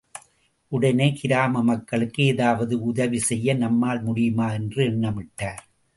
உடனே கிராம மக்களுக்கு ஏதாவது உதவி செய்ய நம்மால் முடியுமா என்று எண்ணமிட்டார்.